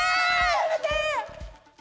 やめて！